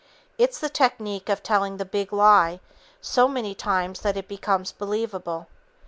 It's the technique of telling the "big lie" so many times that it becomes believable.